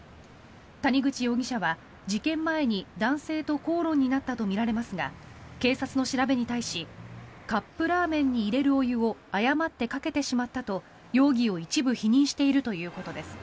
谷口容疑者は事件前に男性と口論になったとみられますが警察の調べに対しカップラーメンに入れるお湯を誤ってかけてしまったと容疑を一部否認しているということです。